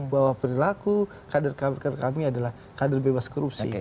bahwa perilaku kader kader kami adalah kader bebas korupsi